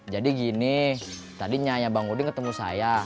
jadi gini tadi nyaya bang udin ketemu saya